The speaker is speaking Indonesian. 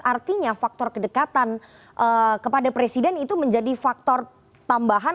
artinya faktor kedekatan kepada presiden itu menjadi faktor tambahan